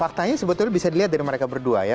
faktanya sebetulnya bisa dilihat dari mereka berdua ya